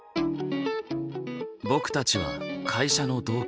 僕たちは会社の同期。